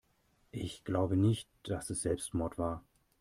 Ich glaube nicht, dass es Selbstmord war.